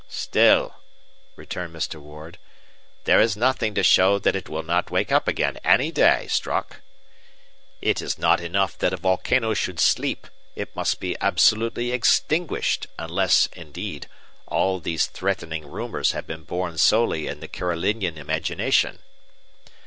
"Still," returned Mr. Ward, "there is nothing to show that it will not wake up again any day, Strock. It is not enough that a volcano should sleep, it must be absolutely extinguished unless indeed all these threatening rumors have been born solely in the Carolinian imagination."